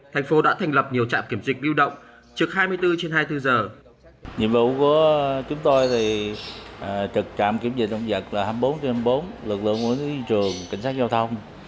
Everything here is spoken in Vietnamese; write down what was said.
thành phố đã thành lập nhiều trạm kiểm dịch biêu động trực hai mươi bốn trên hai mươi bốn giờ